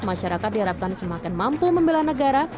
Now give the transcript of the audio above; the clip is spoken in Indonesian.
masyarakat diharapkan semakin mampu membela negara